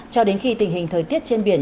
cho đến khi tình hình thời tiết trên biển